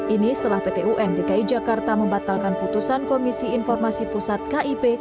ini setelah pt un dki jakarta membatalkan putusan komisi informasi pusat kip